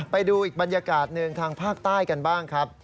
ไปดูอีกบรรยากาศหนึ่งทางภาคใต้กันบ้างครับ